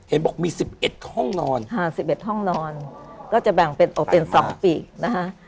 เห็นบอกมี๑๑ห้องนอน๑๑ห้องนอนก็จะแบ่งเป็นโอเต็น๒ปีกนะคะ